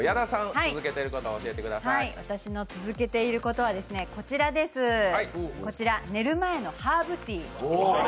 私の続けていることはこちら、寝る前のハーブティー。